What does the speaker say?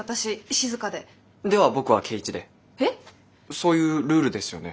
そういうルールですよね。